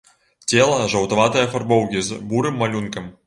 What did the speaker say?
Цела жаўтаватай афарбоўкі з бурым малюнкам.